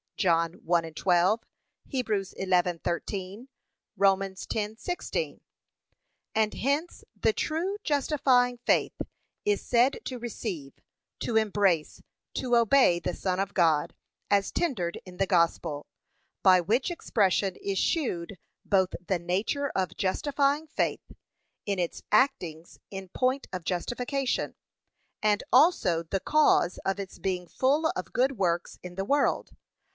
(John 1:12; Heb. 11:13; Rom. 10:16) And hence the true justifying faith is said to receive, to embrace, to obey the Son of God, as tendered in the gospel: by which expression is shewed both the nature of justifying faith, in its actings in point of justification, and also the cause of its being full of good works in the world.